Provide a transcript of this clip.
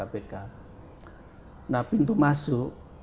nah pintu masuk yang bisa dilakukan adalah pimpinan kpk